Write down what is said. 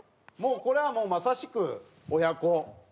これはもうまさしく親子。